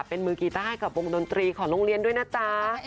เป็นมือกีต้าให้กับวงดนตรีของโรงเรียนด้วยนะจ๊ะ